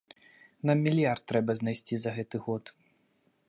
Нам мільярд трэба знайсці за гэты год.